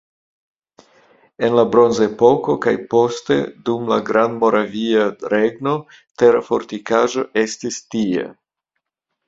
En la bronzepoko kaj poste dum la Grandmoravia Regno tera fortikaĵo estis tie.